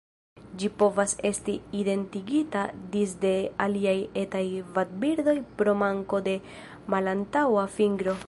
Ĝi povas esti identigita disde aliaj etaj vadbirdoj pro manko de malantaŭa fingro.